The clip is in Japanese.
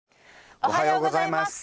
おはようございます。